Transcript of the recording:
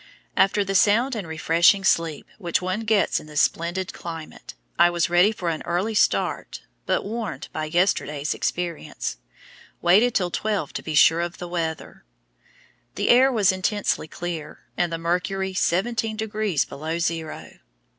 After the sound and refreshing sleep which one gets in this splendid climate, I was ready for an early start, but, warned by yesterday's experience, waited till twelve to be sure of the weather. The air was intensely clear, and the mercury SEVENTEEN DEGREES BELOW ZERO!